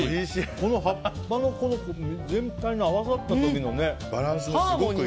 この葉っぱと全体が合わさった時のバランスがすごくいい。